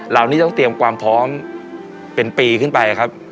เรานี่ต้องเตรียมความพร้อมเป็นปีขึ้นไปครับ